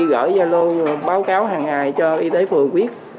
gửi giao lô báo cáo hàng ngày cho y tế phường biết